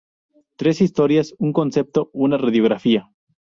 Tres historias, un concepto, una radiografía.